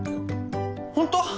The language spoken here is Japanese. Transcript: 本当！？